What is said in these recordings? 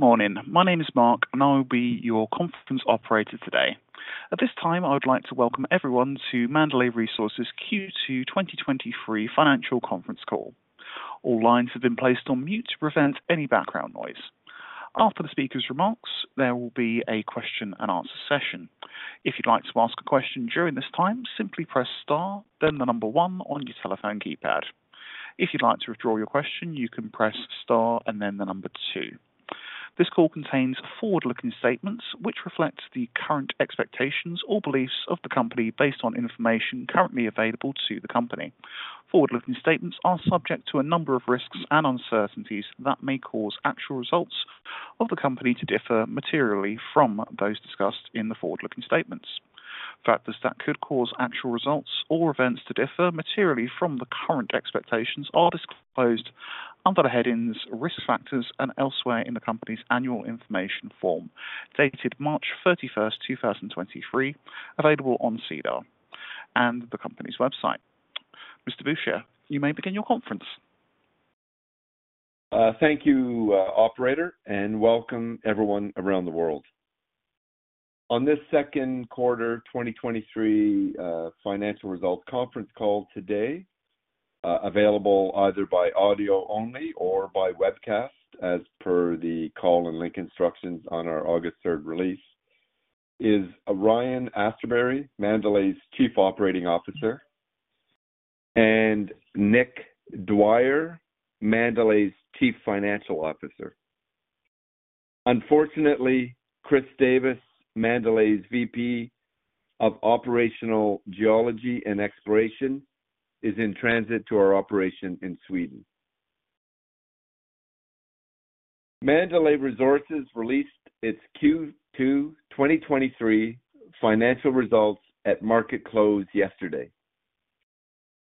Good morning. My name is Mark, and I will be your conference operator today. At this time, I would like to welcome everyone to Mandalay Resources Q2 2023 financial conference call. All lines have been placed on mute to prevent any background noise. After the speaker's remarks, there will be a question and answer session. If you'd like to ask a question during this time, simply press star, then the number one on your telephone keypad. If you'd like to withdraw your question, you can press star and then the number two. This call contains forward-looking statements, which reflect the current expectations or beliefs of the company based on information currently available to the company. Forward-looking statements are subject to a number of risks and uncertainties that may cause actual results of the company to differ materially from those discussed in the forward-looking statements. Factors that could cause actual results or events to differ materially from the current expectations are disclosed under the headings Risk Factors and elsewhere in the company's Annual Information Form, dated March 31st, 2023, available on SEDAR and the company's website. Mr. Bourchier, you may begin your conference. Thank you, operator, welcome everyone around the world. On this Q2 2023 financial results conference call today, available either by audio only or by webcast as per the call and link instructions on our August 3 release, is Ryan Austerberry, Mandalay's Chief Operating Officer, and Nick Dwyer, Mandalay's Chief Financial Officer. Unfortunately, Chris Davis, Mandalay's VP of Operational Geology and Exploration, is in transit to our operation in Sweden. Mandalay Resources released its Q2 2023 financial results at market close yesterday.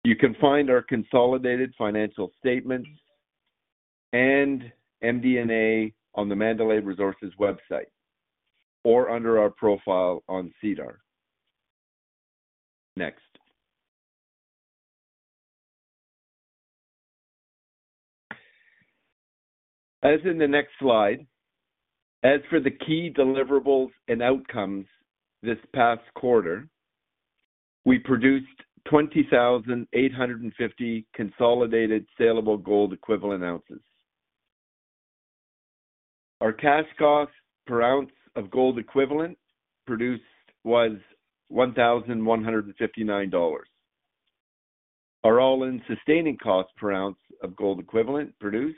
You can find our consolidated financial statements and MD&A on the Mandalay Resources website or under our profile on SEDAR. Next. As in the next slide, as for the key deliverables and outcomes this past quarter, we produced 20,850 consolidated saleable gold equivalent ounces. Our cash cost per ounce of gold equivalent produced was $1,159. Our all-in sustaining cost per ounce of gold equivalent produced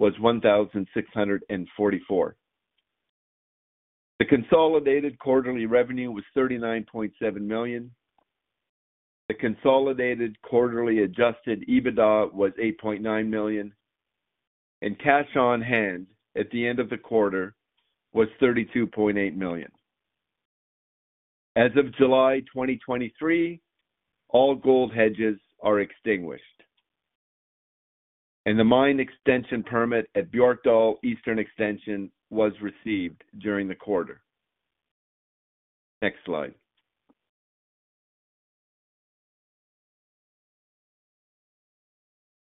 was $1,644. The consolidated quarterly revenue was $39.7 million. The consolidated quarterly Adjusted EBITDA was $8.9 million, and cash on hand at the end of the quarter was $32.8 million. As of July 2023, all gold hedges are extinguished, and the mine extension permit at Björkdal Eastern Extension was received during the quarter. Next slide.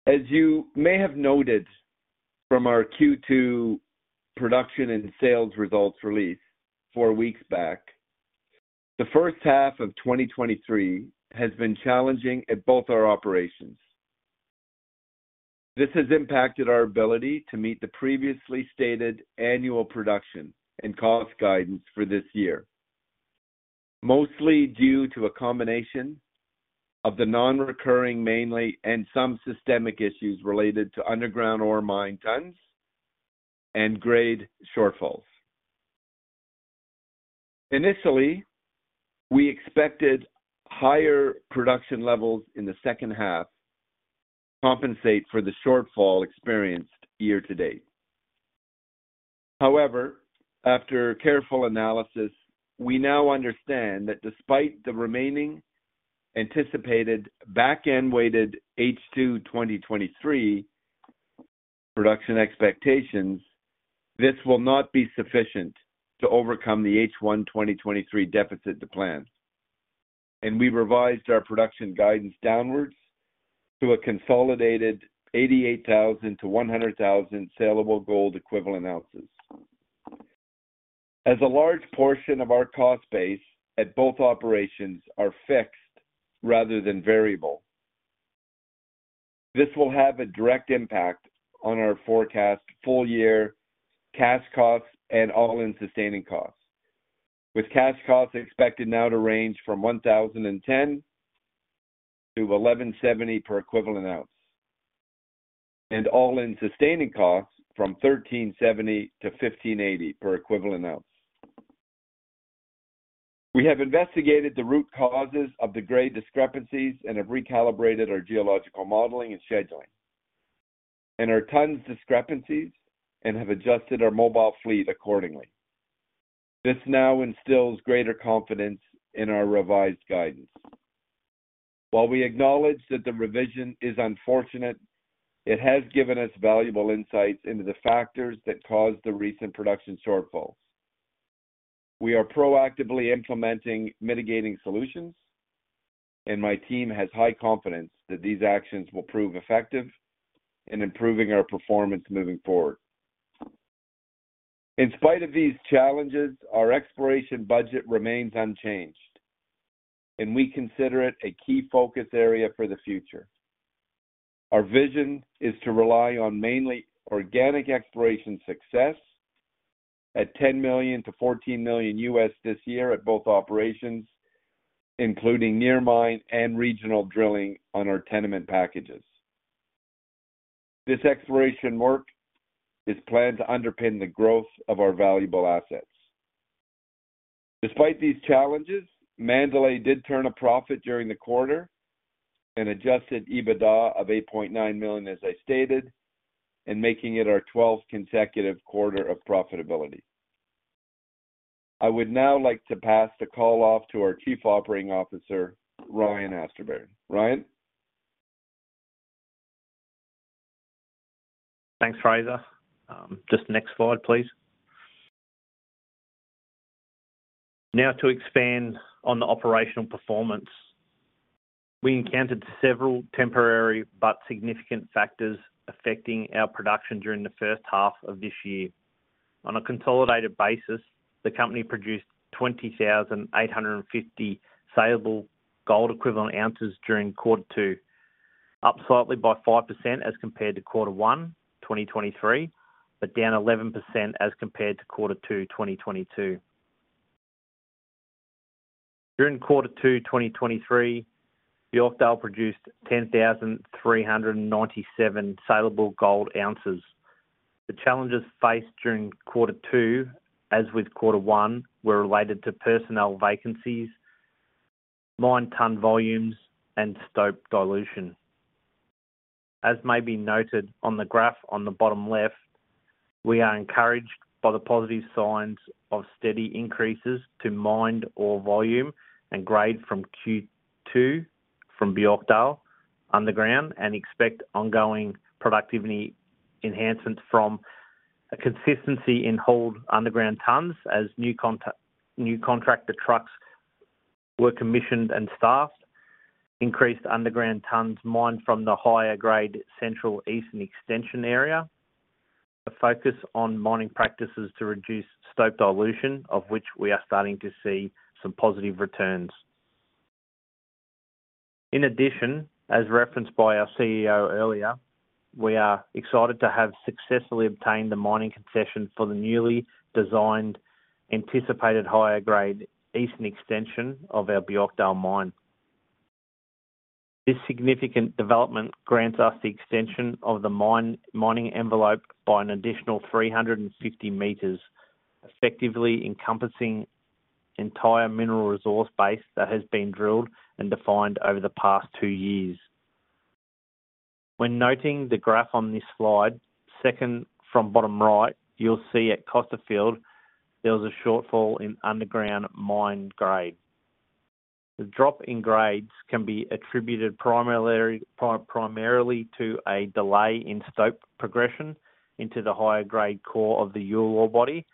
As you may have noted from our Q2 production and sales results release four weeks back, the first half of 2023 has been challenging at both our operations. This has impacted our ability to meet the previously stated annual production and cost guidance for this year, mostly due to a combination of the non-recurring mainly and some systemic issues related to underground ore mine tonnes and grade shortfalls. Initially, we expected higher production levels in the second half to compensate for the shortfall experienced year to date. After careful analysis, we now understand that despite the remaining anticipated back-end-weighted H2 2023 production expectations, this will not be sufficient to overcome the H1 2023 deficit to plan, and we revised our production guidance downwards to a consolidated 88,000-100,000 saleable gold equivalent ounces. As a large portion of our cost base at both operations are fixed rather than variable, this will have a direct impact on our forecast full-year cash costs and all-in sustaining costs, with cash costs expected now to range from $1,010-$1,170 per equivalent ounce, and all-in sustaining costs from $1,370-$1,580 per equivalent ounce. We have investigated the root causes of the grade discrepancies and have recalibrated our geological modeling and scheduling, and our tons discrepancies and have adjusted our mobile fleet accordingly. This now instills greater confidence in our revised guidance. While we acknowledge that the revision is unfortunate, it has given us valuable insights into the factors that caused the recent production shortfalls. We are proactively implementing mitigating solutions, and my team has high confidence that these actions will prove effective in improving our performance moving forward. In spite of these challenges, our exploration budget remains unchanged, and we consider it a key focus area for the future. Our vision is to rely on mainly organic exploration success at $10 million-$14 million this year at both operations, including near mine and regional drilling on our tenement packages. This exploration work is planned to underpin the growth of our valuable assets. Despite these challenges, Mandalay did turn a profit during the quarter, an Adjusted EBITDA of $8.9 million, as I stated, and making it our 12th consecutive quarter of profitability. I would now like to pass the call off to our Chief Operating Officer, Ryan Austerberry. Ryan? Thanks, Frazer. Just next slide, please. Now to expand on the operational performance. We encountered several temporary but significant factors affecting our production during the first half of this year. On a consolidated basis, the company produced 20,850 saleable gold equivalent ounces during quarter two, up slightly by 5% as compared to quarter one, 2023, but down 11% as compared to quarter two, 2022. During quarter two, 2023, the Björkdal produced 10,397 saleable gold ounces. The challenges faced during quarter two, as with quarter one, were related to personnel vacancies, mine ton volumes, and stope dilution. As may be noted on the graph on the bottom left, we are encouraged by the positive signs of steady increases to mined ore volume and grade from Q2, from Björkdal underground. Expect ongoing productivity enhancements from a consistency in hauled underground tons as new contractor trucks were commissioned and staffed. Increased underground tons mined from the higher grade central eastern extension area. A focus on mining practices to reduce stope dilution, of which we are starting to see some positive returns. In addition, as referenced by our CEO earlier, we are excited to have successfully obtained the mining concession for the newly designed, anticipated higher grade Eastern Extension of our Björkdal mine. This significant development grants us the extension of the mine, mining envelope by an additional 350 meters, effectively encompassing entire mineral resource base that has been drilled and defined over the past two years. When noting the graph on this slide, second from bottom right, you'll see at Costerfield, there was a shortfall in underground mine grade. The drop in grades can be attributed primarily to a delay in stope progression into the higher grade core of the Youle ore body.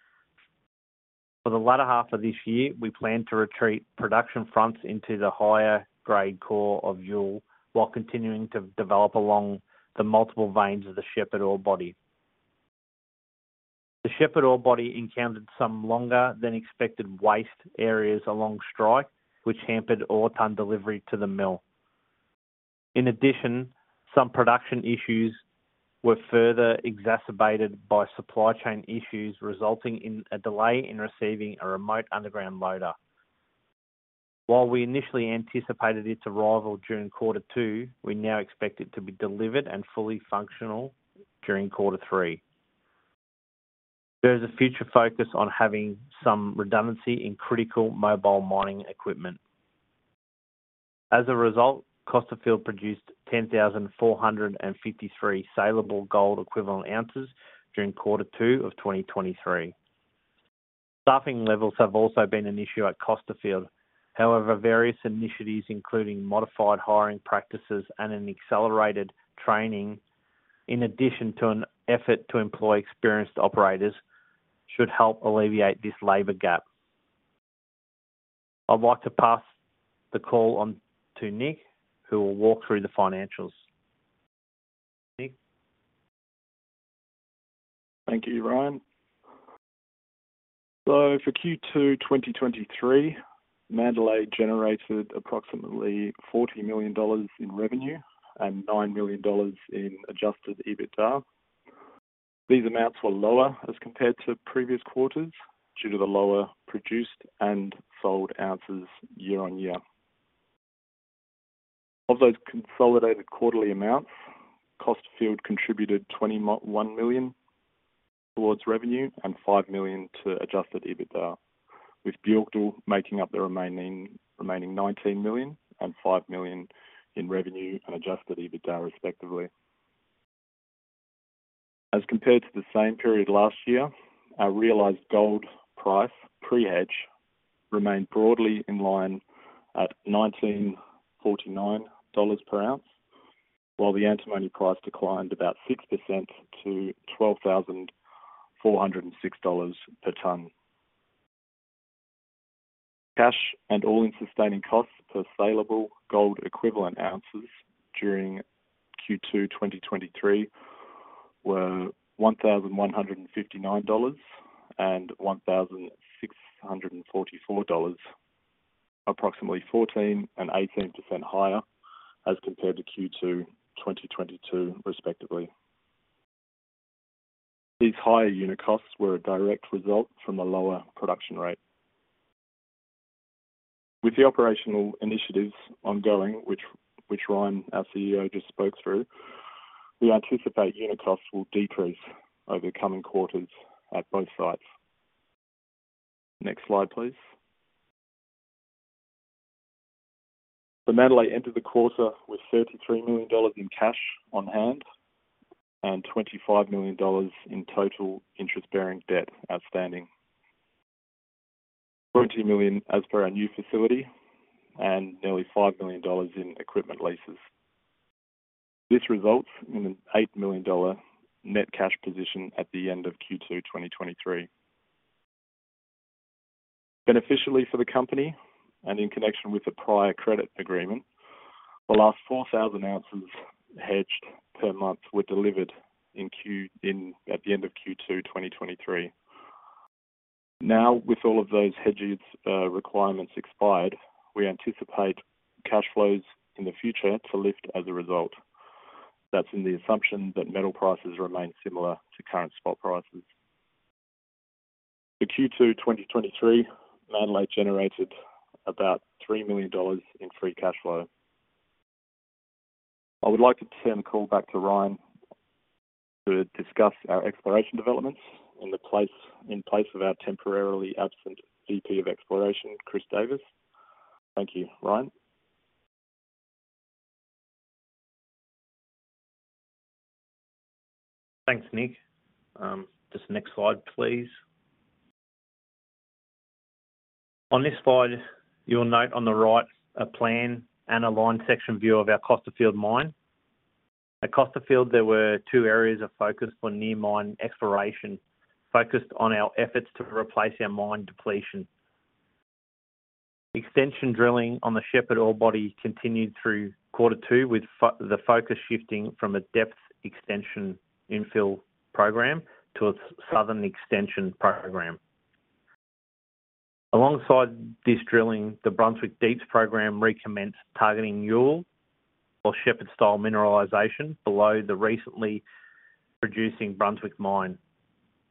For the latter half of this year, we plan to retreat production fronts into the higher grade core of Youle, while continuing to develop along the multiple veins of the Shepherd ore body. The Shepherd ore body encountered some longer than expected waste areas along strike, which hampered ore tone delivery to the mill. In addition, some production issues were further exacerbated by supply chain issues, resulting in a delay in receiving a remote underground loader. While we initially anticipated its arrival during quarter two, we now expect it to be delivered and fully functional during quarter three. There is a future focus on having some redundancy in critical mobile mining equipment. As a result, Costerfield produced 10,453 saleable gold equivalent ounces during quarter two of 2023. Staffing levels have also been an issue at Costerfield. Various initiatives, including modified hiring practices and an accelerated training, in addition to an effort to employ experienced operators, should help alleviate this labor gap. I'd like to pass the call on to Nick, who will walk through the financials. Nick. Thank you, Ryan. For Q2 2023, Mandalay generated approximately $40 million in revenue and $9 million in Adjusted EBITDA. These amounts were lower as compared to previous quarters due to the lower produced and sold ounces year-on-year. Of those consolidated quarterly amounts, Costerfield contributed $21 million towards revenue and $5 million to Adjusted EBITDA, with Björkdal making up the remaining $19 million and $5 million in revenue and Adjusted EBITDA, respectively. As compared to the same period last year, our realized gold price, pre-hedge, remained broadly in line at $1,949 per ounce. While the antimony price declined about 6% to $12,406 per ton. Cash and all-in sustaining costs per saleable gold equivalent ounces during Q2 2023 were $1,159 and $1,644, approximately 14% and 18% higher as compared to Q2 2022, respectively. These higher unit costs were a direct result from a lower production rate. With the operational initiatives ongoing, which Ryan, our CEO, just spoke through, we anticipate unit costs will decrease over the coming quarters at both sites. Next slide, please. Mandalay entered the quarter with $33 million in cash on hand and $25 million in total interest-bearing debt outstanding. $40 million as per our new facility and nearly $5 million in equipment leases. This results in an $8 million net cash position at the end of Q2 2023. Beneficially for the company and in connection with the prior credit agreement, the last 4,000 ounces hedged per month were delivered in Q2 2023. With all of those hedges requirements expired, we anticipate cash flows in the future to lift as a result. That's in the assumption that metal prices remain similar to current spot prices. In Q2 2023, Mandalay generated about $3 million in free cash flow. I would like to turn the call back to Ryan to discuss our exploration developments in place of our temporarily absent VP of Exploration, Chris Davis. Thank you. Ryan? Thanks, Nick. Just next slide, please. On this slide, you'll note on the right a plan and a line section view of our Costerfield mine. At Costerfield, there were two areas of focus for near mine exploration, focused on our efforts to replace our mine depletion. Extension drilling on the Shepherd ore body continued through quarter two, with the focus shifting from a depth extension infill program to a southern extension program. Alongside this drilling, the Brunswick Deeps program recommenced targeting Youle or Shepherd-style mineralization below the recently producing Brunswick mine.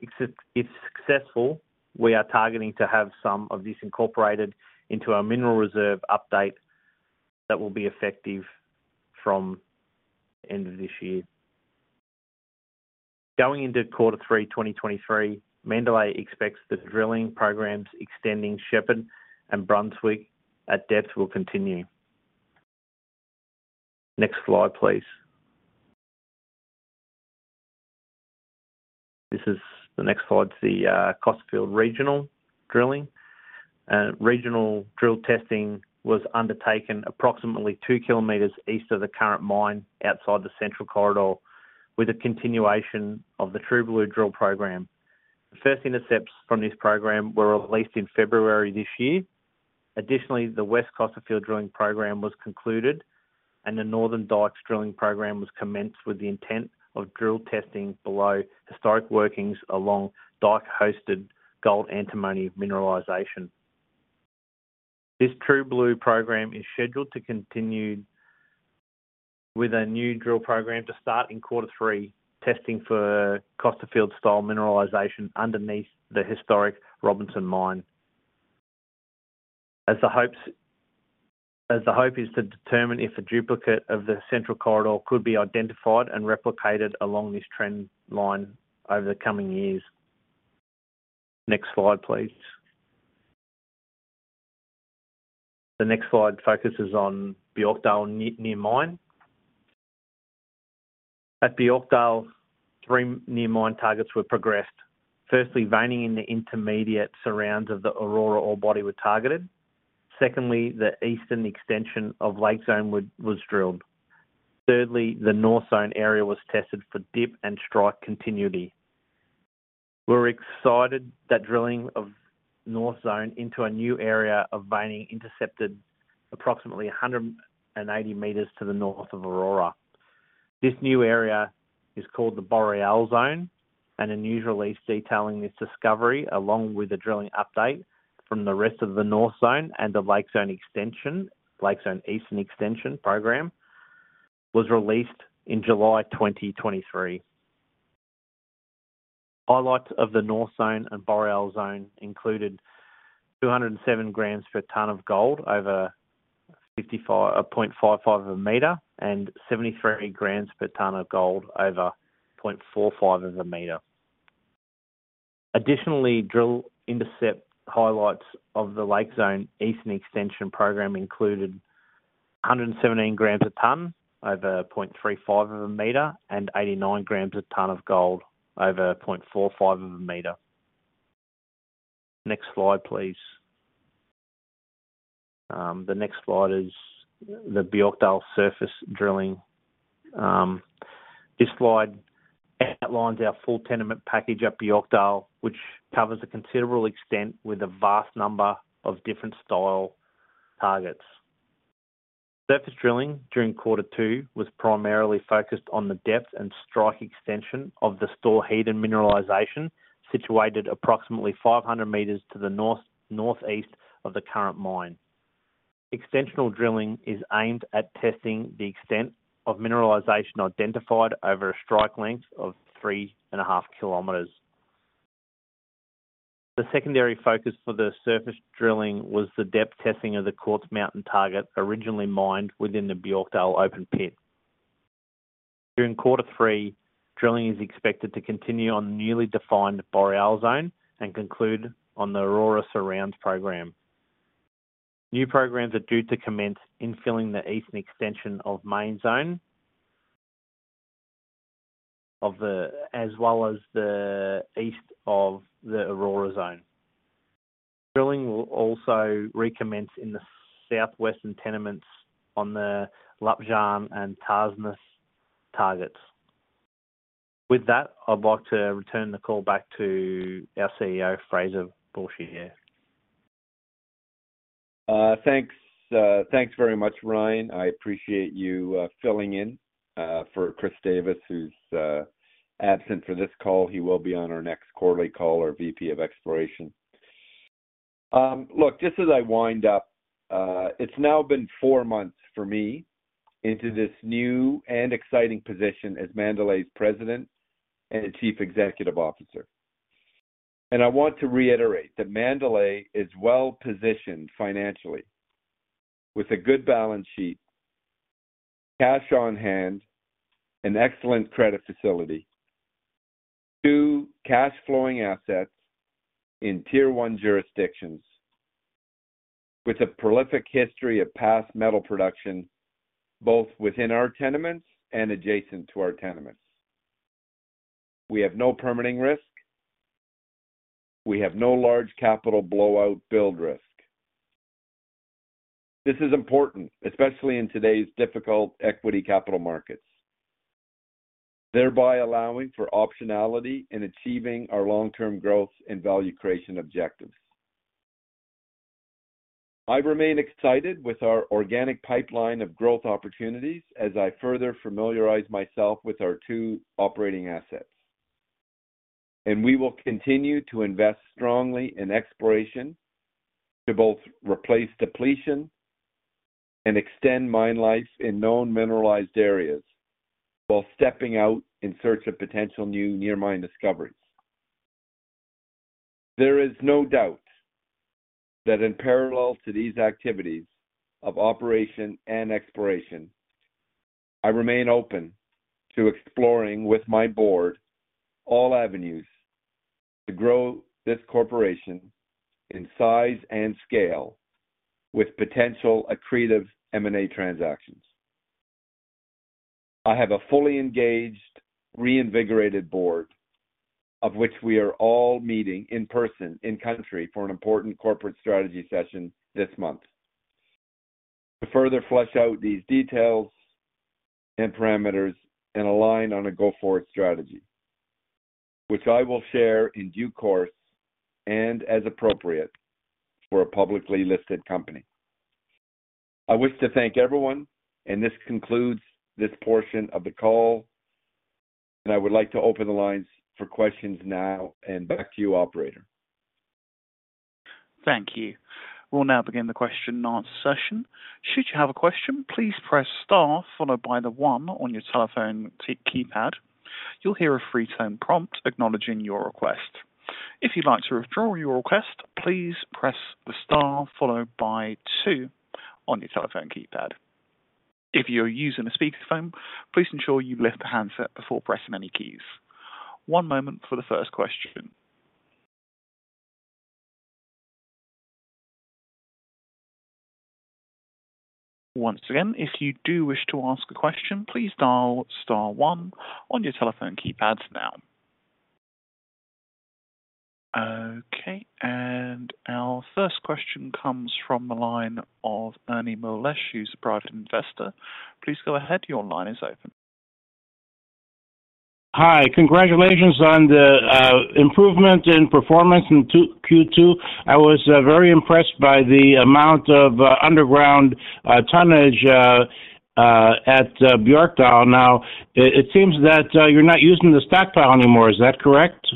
If successful, we are targeting to have some of this incorporated into our mineral reserve update that will be effective from the end of this year. Going into quarter three 2023, Mandalay expects the drilling programs extending Shepherd and Brunswick at depth will continue. Next slide, please. This is the next slide, the Costerfield regional drilling. Regional drill testing was undertaken approximately 2 km east of the current mine, outside the central corridor, with a continuation of the True Blue drill program. The first intercepts from this program were released in February this year. Additionally, the West Costerfield drilling program was concluded, and the Northern Dykes drilling program was commenced with the intent of drill testing below historic workings along dike-hosted gold antimony mineralization. This True Blue program is scheduled to continue with a new drill program to start in quarter three, testing for Costerfield-style mineralization underneath the historic Robinson mine. The hope is to determine if a duplicate of the central corridor could be identified and replicated along this trend line over the coming years. Next slide, please. The next slide focuses on Björkdal near mine. At Björkdal, three near mine targets were progressed. Firstly, veining in the intermediate surrounds of the Aurora ore body were targeted. Secondly, the eastern extension of Lake Zone was drilled. Thirdly, the North Zone area was tested for dip and strike continuity. We're excited that drilling of North Zone into a new area of veining intercepted approximately 180 meters to the north of Aurora. This new area is called the Boreale Zone. A news release detailing this discovery, along with the drilling update from the rest of the North Zone and the Lake Zone extension, Lake Zone Eastern Extension program, was released in July 2023. Highlights of the North Zone and Boreale Zone included 207 grams per ton of gold over 0.55 of a meter, and 73 grams per ton of gold over 0.45 of a meter. Additionally, drill intercept highlights of the Lake Zone Eastern Extension program included 117 grams a ton over 0.35 of a meter, and 89 grams a ton of gold over 0.45 of a meter. Next slide, please. The next slide is the Björkdal surface drilling. This slide outlines our full tenement package at Björkdal, which covers a considerable extent with a vast number of different style targets. Surface drilling during quarter two was primarily focused on the depth and strike extension of the Storheden mineralization, situated approximately 500 meters to the north-northeast of the current mine. Extensional drilling is aimed at testing the extent of mineralization identified over a strike length of 3.5 km. The secondary focus for the surface drilling was the depth testing of the Quartz Mountain target, originally mined within the Björkdal open pit. During quarter three, drilling is expected to continue on the newly defined Boreale Zone and conclude on the Aurora Surrounds program. New programs are due to commence infilling the eastern extension of main zone, as well as the east of the Aurora zone. Drilling will also recommence in the southwestern tenements on the Lapjän and Tärnmyran targets. With that, I'd like to return the call back to our CEO, Frazer Bourchier. Thanks, thanks very much, Ryan. I appreciate you filling in for Chris Davis, who's absent for this call. He will be on our next quarterly call, our VP of Exploration. Look, just as I wind up, it's now been four months for me into this new and exciting position as Mandalay's President and Chief Executive Officer. I want to reiterate that Mandalay is well-positioned financially with a good balance sheet, cash on hand, an excellent credit facility, two cash flowing assets in Tier One jurisdictions with a prolific history of past metal production, both within our tenements and adjacent to our tenements. We have no permitting risk. We have no large capital blowout build risk. This is important, especially in today's difficult equity capital markets, thereby allowing for optionality in achieving our long-term growth and value creation objectives. I remain excited with our organic pipeline of growth opportunities as I further familiarize myself with our two operating assets. We will continue to invest strongly in exploration to both replace depletion and extend mine life in known mineralized areas while stepping out in search of potential new near mine discoveries. There is no doubt that in parallel to these activities of operation and exploration, I remain open to exploring with my board all avenues to grow this corporation in size and scale with potential accretive M&A transactions. I have a fully engaged, reinvigorated board, of which we are all meeting in person, in country, for an important corporate strategy session this month. To further flush out these details and parameters and align on a go-forward strategy, which I will share in due course and as appropriate for a publicly listed company. I wish to thank everyone, and this concludes this portion of the call, and I would like to open the lines for questions now. Back to you, operator. Thank you. We'll now begin the question and answer session. Should you have a question, please press star followed by one on your telephone key, keypad. You'll hear a free tone prompt acknowledging your request. If you'd like to withdraw your request, please press the star followed by two on your telephone keypad. If you are using a speakerphone, please ensure you lift the handset before pressing any keys. One moment for the first question. Once again, if you do wish to ask a question, please dial star one on your telephone keypads now. Okay, our first question comes from the line of Ernie Miles, who's a private investor. Please go ahead. Your line is open. Hi, congratulations on the improvement in performance in Q2. I was very impressed by the amount of underground tonnage at Björkdal. Now, it seems that you're not using the stockpile anymore. Is that correct?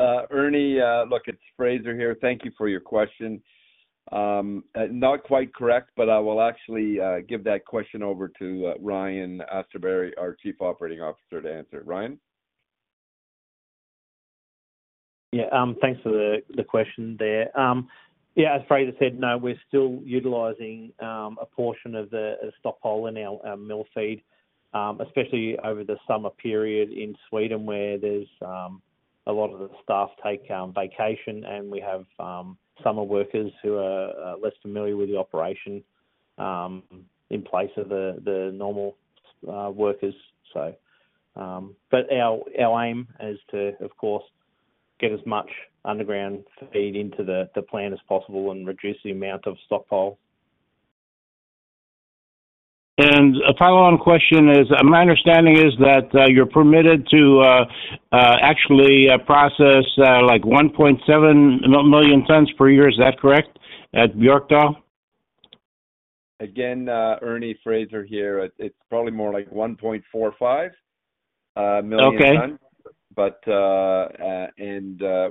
Ernie, look, it's Frazer here. Thank you for your question. Not quite correct. I will actually give that question over to Ryan Austerberry, our Chief Operating Officer, to answer. Ryan? Yeah, thanks for the question there. Yeah, as Frazer said, no, we're still utilizing a portion of the stockpile in our mill feed, especially over the summer period in Sweden, where there's a lot of the staff take vacation, and we have summer workers who are less familiar with the operation in place of the normal workers. But our aim is to, of course, get as much underground feed into the plant as possible and reduce the amount of stockpile. A follow-on question is, my understanding is that, you're permitted to, actually, process, like 1.7 million tons per year. Is that correct, at Björkdal? Again, Ernie Fraser here. It's probably more like 1.45 million tons. Okay.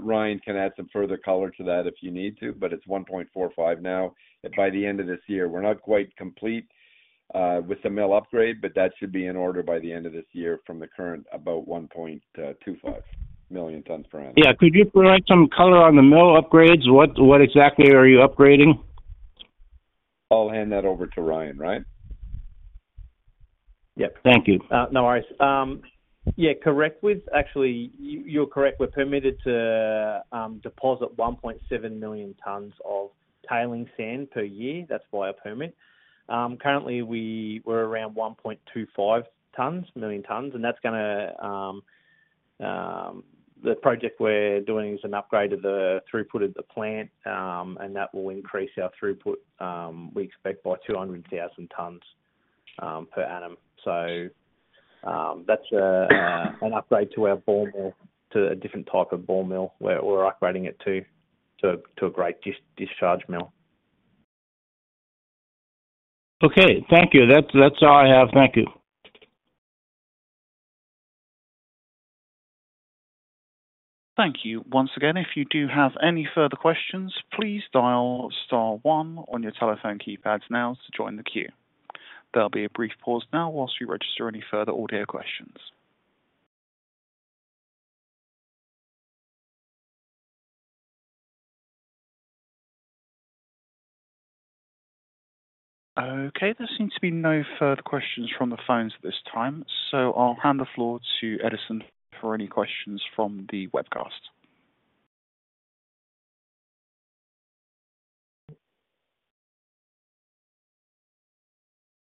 Ryan can add some further color to that if you need to, but it's 1.45 now. By the end of this year, we're not quite complete with the mill upgrade, but that should be in order by the end of this year from the current, about 1.25 million tons per annum. Yeah. Could you provide some color on the mill upgrades? What, what exactly are you upgrading? I'll hand that over to Ryan. Ryan? Yep. Thank you. No worries. Yeah, correct. Actually, you're correct. We're permitted to deposit 1.7 million tons of tailings sand per year. That's by our permit. Currently, we're around 1.25 million tons, and that's gonna... The project we're doing is an upgrade of the throughput of the plant, and that will increase our throughput, we expect by 200,000 tons per annum. That's a, an upgrade to our ball mill, to a different type of ball mill, where we're upgrading it to a grate discharge mill. Okay, thank you. That, that's all I have. Thank you. Thank you. Once again, if you do have any further questions, please dial star one on your telephone keypads now to join the queue. There'll be a brief pause now whilst we register any further audio questions. Okay, there seems to be no further questions from the phones at this time, so I'll hand the floor to Edison for any questions from the webcast.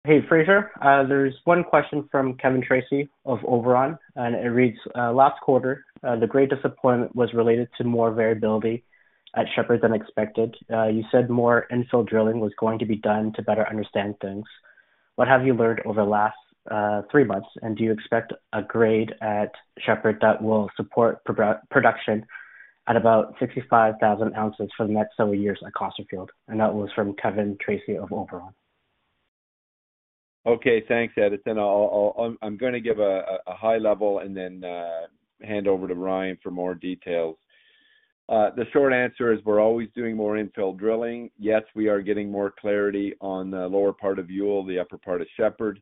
Hey, Frazer. There's one question from Kevin Tracey of Oberon. It reads, "Last quarter, the great disappointment was related to more variability at Shepherd than expected. You said more infill drilling was going to be done to better understand things. What have you learned over the last three months, and do you expect a grade at Shepherd that will support pro- production at about 65,000 ounces for the next several years at Costerfield?" That was from Kevin Tracy of Oberon. Okay. Thanks, Edison. I'll, I'll, I'm gonna give a high level and then hand over to Ryan for more details. The short answer is we're always doing more infill drilling. Yes, we are getting more clarity on the lower part of Youle, the upper part of Shepherd,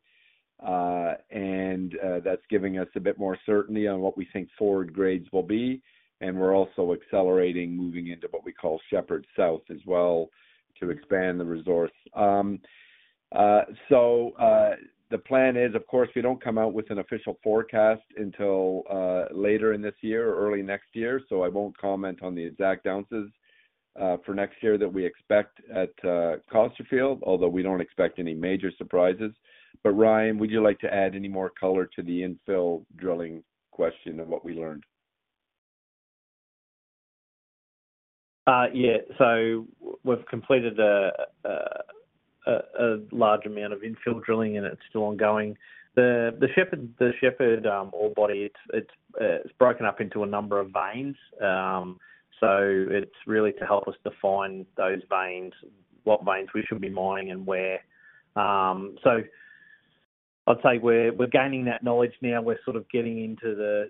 and that's giving us a bit more certainty on what we think forward grades will be, and we're also accelerating, moving into what we call Shepherd South as well, to expand the resource. The plan is, of course, we don't come out with an official forecast until later in this year or early next year, so I won't comment on the exact ounces for next year that we expect at Costerfield, although we don't expect any major surprises. Ryan, would you like to add any more color to the infill drilling question and what we learned? Yeah. We've completed a large amount of infill drilling, and it's still ongoing. The Shepherd ore body, it's broken up into a number of veins. It's really to help us define those veins, what veins we should be mining and where. I'd say we're gaining that knowledge now. We're sort of getting into the,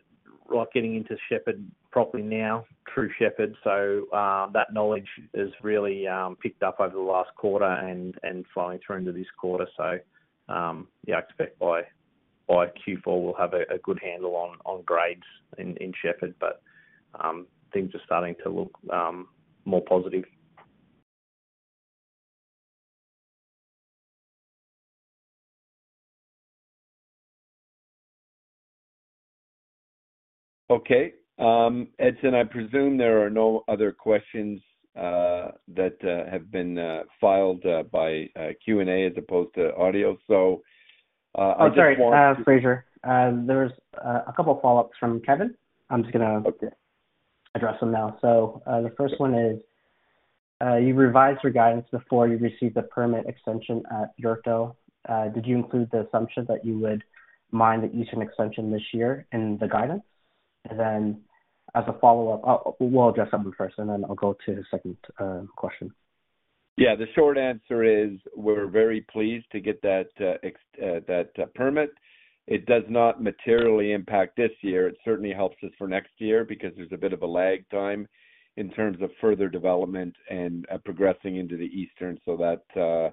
like, getting into Shepherd properly now, through Shepherd. That knowledge has really picked up over the last quarter and flowing through into this quarter. Yeah, I expect by Q4, we'll have a good handle on grades in Shepherd, but things are starting to look more positive. Okay. Edison, I presume there are no other questions that have been filed by Q&A as opposed to audio. Oh, sorry, Frazer. There's a couple follow-ups from Kevin. I'm just gonna. Okay. -address them now. The first one is, "You revised your guidance before you received the permit extension at Björkdal. Did you include the assumption that you would mine the eastern extension this year in the guidance?" Then, as a follow-up, we'll address that one first, and then I'll go to the second question. Yeah. The short answer is we're very pleased to get that permit. It does not materially impact this year. It certainly helps us for next year because there's a bit of a lag time in terms of further development and progressing into the eastern. That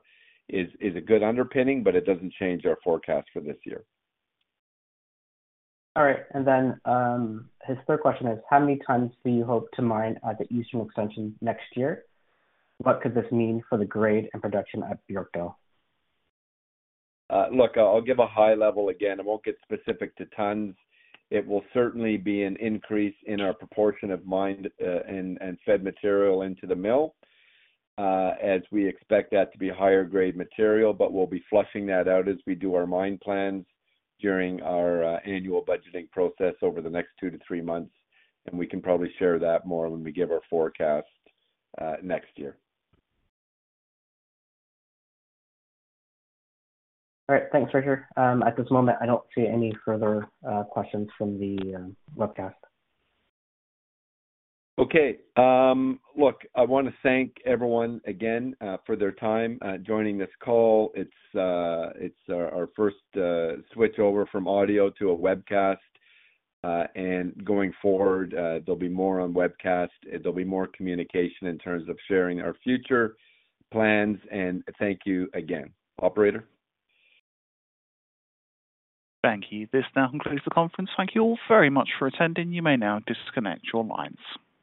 is a good underpinning, but it doesn't change our forecast for this year. All right. Then, his third question is: "How many tons do you hope to mine at the Eastern Extension next year? What could this mean for the grade and production at Björkdal? Look, I'll give a high level again. I won't get specific to tons. It will certainly be an increase in our proportion of mined, and fed material into the mill, as we expect that to be a higher grade material, but we'll be flushing that out as we do our mine plans during our annual budgeting process over the next two to three months. We can probably share that more when we give our forecast, next year. All right. Thanks, Fraser. At this moment, I don't see any further questions from the webcast. Okay. look, I want to thank everyone again, for their time, joining this call. It's, it's, our first, switch over from audio to a webcast. Going forward, there'll be more on webcast, there'll be more communication in terms of sharing our future plans, and thank you again. Operator? Thank you. This now concludes the conference. Thank you all very much for attending. You may now disconnect your lines.